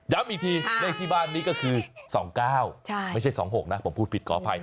อีกทีเลขที่บ้านนี้ก็คือ๒๙ไม่ใช่๒๖นะผมพูดผิดขออภัย